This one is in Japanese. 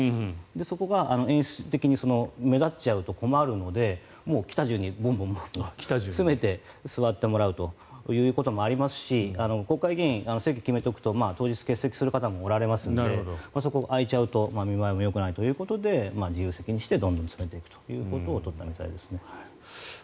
そこが演出的に目立っちゃうと困るので来た順にぼんぼん詰めて座ってもらうということもありますし国会議員、席を決めておくと当日欠席される方もおられますのでそこが空いちゃうと見栄えもよくないということで自由席にしてどんどん詰めていくということにしたみたいですね。